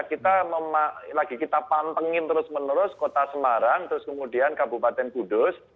kita lagi kita pantengin terus menerus kota semarang terus kemudian kabupaten kudus